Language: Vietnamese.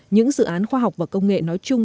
những dự án khoa học và công nghệ nói chung